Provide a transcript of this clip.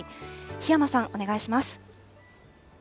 檜山さん、お願いします。